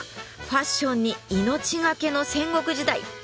ファッションに命懸けの戦国時代。